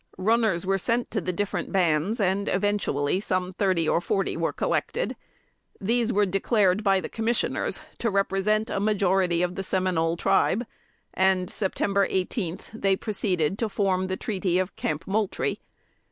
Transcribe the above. Runners were sent to the different bands, and eventually some thirty or forty were collected. These were declared by the commissioners to represent a majority of the Seminole tribe, and (Sept. 18) they proceeded to form the treaty of "Camp Moultrie."